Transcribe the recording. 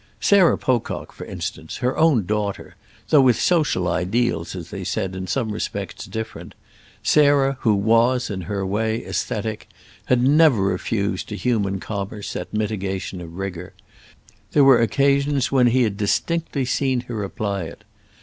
Sarah Pocock, for instance, her own daughter, though with social ideals, as they said, in some respects different—Sarah who was, in her way, æsthetic, had never refused to human commerce that mitigation of rigour; there were occasions when he had distinctly seen her apply it.